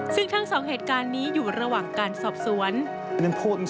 ซึ่งทั้ง๒เหตุการณ์นี้อยู่ระหว่างการสอบสวน